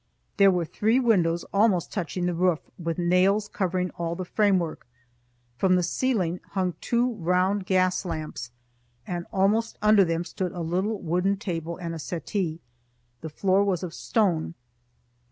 There were three windows almost touching the roof, with nails covering all the framework. From the ceiling hung two round gas lamps, and almost under them stood a little wooden table and a settee. The floor was of stone.